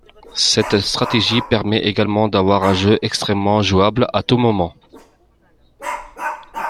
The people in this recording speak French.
Cette stratégie permet également d'avoir un jeu extrêmement jouable à tout moment.